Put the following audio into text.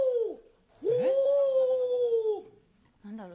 ホ！何だろう？